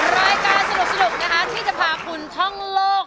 รายการสนุกนะคะที่จะพาคุณท่องโลก